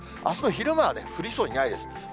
あすの昼間は降りそうにないです。